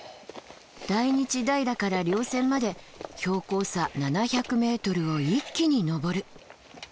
大日平から稜線まで標高差７００ｍを一気に登る。